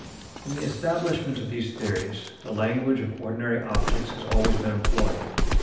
In the establishment of these theories, the language of ordinary optics has always been employed.